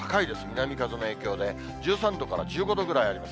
南風の影響で、１３度から１５ぐらいあります。